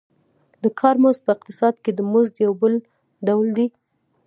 د کار مزد په اقتصاد کې د مزد یو بل ډول دی